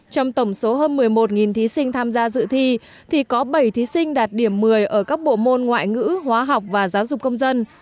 trong tổng số hơn một mươi một thí sinh tham gia dự thi thì có bảy thí sinh đạt điểm một mươi ở các bộ môn ngoại ngữ hóa học và giáo dục công dân